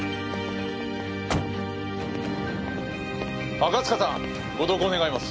赤塚さんご同行願います。